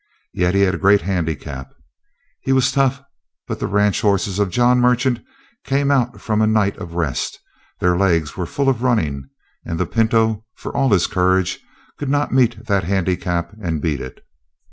Yet he had a great handicap. He was tough, but the ranch horses of John Merchant came out from a night of rest. Their legs were full of running. And the pinto, for all his courage, could not meet that handicap and beat it.